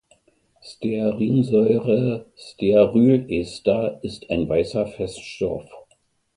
Stearinsäurestearylester ist ein weißer Feststoff.